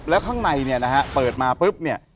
และข้างในเนี่ยเปิดมาป๊านี่